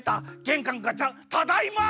げんかんガチャただいま！